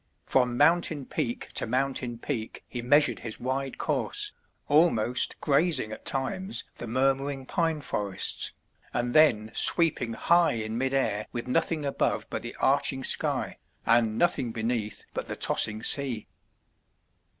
From mountain peak to mountain peak he measured his wide course, almost grazing at times the murmuring pine forests, and then sweeping high in mid air with nothing above but the arching sky, and nothing beneath but the tossing sea.